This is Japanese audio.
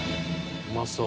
うまそう。